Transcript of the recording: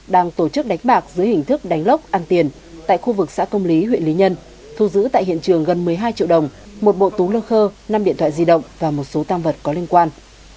đang tổ chức đánh bạc dưới hình thức đánh lốc ăn tiền tại khu vực xã công lý huyện lý nhân thu giữ tại hiện trường gần một mươi hai triệu đồng một bộ tú lơ khơ năm điện thoại di động và một số tăng vật có liên quan